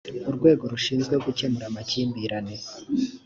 urwego rushinzwe gukemura amakimbirane